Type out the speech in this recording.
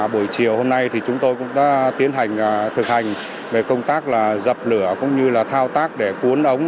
buổi chiều hôm nay chúng tôi cũng đã thực hành công tác dập lửa cũng như thao tác để cuốn ống